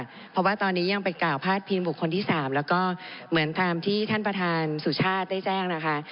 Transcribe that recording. เพราะว่าตอนนี้ยังไปกล่าวพาดพิงบุคคลที่๓แล้วก็เหมือนตามที่ท่านประธานสุชาติได้แจ้งนะคะ